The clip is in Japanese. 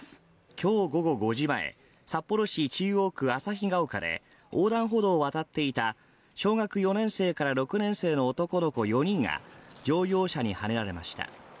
今日午後後時前、札幌市中央区旭ヶ丘で横断歩道を渡っていた小学４年生から６年生の男の子４人が乗用車にはねられました。